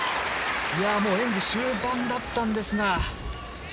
演技終盤だったんですが。